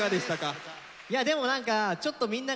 いやでも何かちょっとみんながね